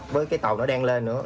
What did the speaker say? với cái tàu nó đang lên nữa